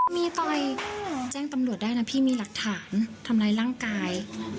มีต่อยแจ้งตำรวจได้นะพี่มีหลักฐานทำร้ายร่างกาย